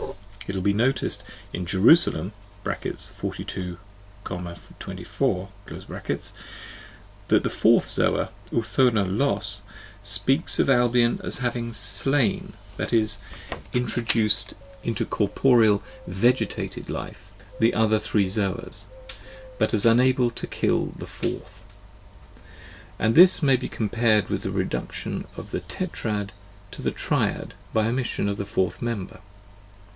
It will be noticed in "Jerusalem" (42, 24), that the fourth Zoa, Urthona Los, speaks of Albion as having slain, that is, introduced Xlll into corporeal " vegetated " life, the other three Zoas, but as un able to kill the fourth: and this may be compared with the reduc tion of the tetrad to the triad by the omission of the fourth member.